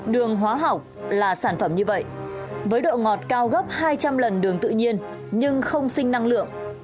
đường hóa học là sản phẩm như vậy với độ ngọt cao gấp hai trăm linh lần đường tự nhiên nhưng không sinh năng lượng